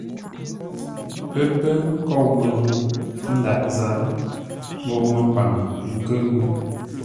Pə́ pə́ nkôu məzə̂u, ə́ ndǎghʼ zarə́ mbə̂u məmbaŋə ńkʉ̂ʉ?